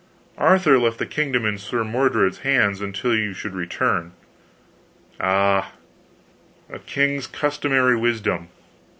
Arthur left the kingdom in Sir Mordred's hands until you should return " "Ah a king's customary wisdom!"